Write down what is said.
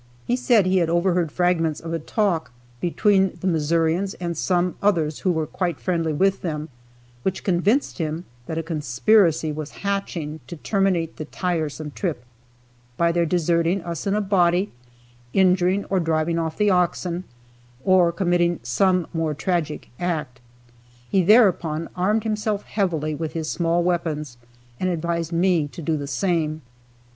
He said he had overheard fragments of a talk between the Missourians and some others who were quite friendly with them, which convinced him that a conspiracy was hatching to terminate the tiresome trip, by their deserting us in a body, injuring or driving off the oxen, or committing some more tragic act. He thereupon armed himself heavily with his small weapons, and advised me to do the same.